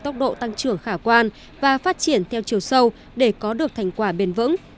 tốc độ tăng trưởng khả quan và phát triển theo chiều sâu để có được thành quả bền vững